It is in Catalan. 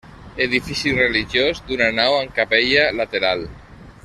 Edifici religiós d'una nau amb capella lateral.